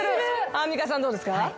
アンミカさんどうですか？